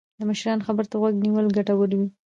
د مشرانو خبرو ته غوږ نیول ګټور وي.